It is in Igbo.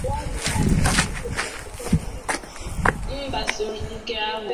N'ịgbaso nke ahụ